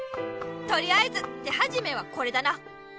とりあえず手はじめはこれだな。